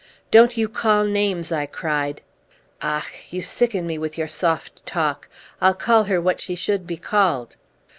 "Don't you call names!" I cried. "Ach! you sicken me with your soft talk! I'll call her what she should be called!"